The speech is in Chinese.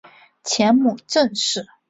前母郑氏。